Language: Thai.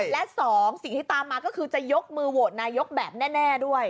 และ๒สิ่งที่ตามมาก็คือจะยกมือโหวตนายกแบบแน่ด้วย